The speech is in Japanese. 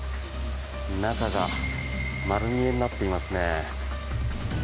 中が丸見えになっていますね。